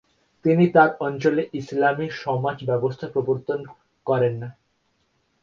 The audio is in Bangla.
তিনি তাঁর অঞ্চলে ইসলামী সমাজ ব্যবস্থা প্রবর্তন করেন।